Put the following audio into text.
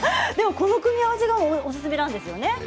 この組み合わせがおすすめなんですよね。